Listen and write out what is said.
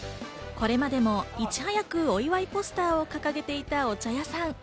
これまでもいち早くお祝いポスターを掲げていたお茶屋さん。